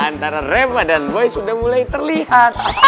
antara rema dan boy sudah mulai terlihat